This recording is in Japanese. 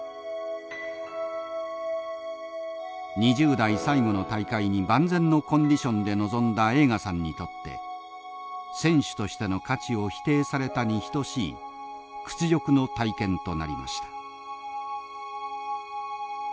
２０代最後の大会に万全のコンディションで臨んだ栄花さんにとって選手としての価値を否定されたに等しい屈辱の体験となりました。